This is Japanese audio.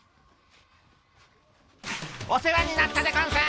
お世話になったでゴンス！